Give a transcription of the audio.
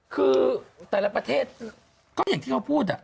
คือแต่ละประเทศก็อย่างที่เขาพูด